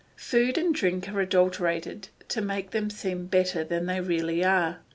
Food and drink are adulterated to make them seem better than they really are.